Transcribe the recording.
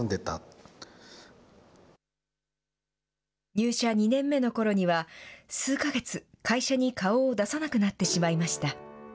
入社２年目のころには、数か月、会社に顔を出さなくなってしまいました。